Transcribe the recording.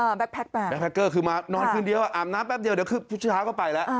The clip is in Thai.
อ่าแบคแพ็กมาแบคแพ็กเกอร์คือมานอนขึ้นเดียวอาบน้ำแป๊บเดียวเดี๋ยวสุดช้าก็ไปแล้ว